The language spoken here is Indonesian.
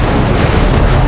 aku ingin menemukanmu